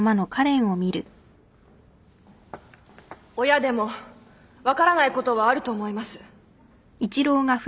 親でも分からないことはあると思います。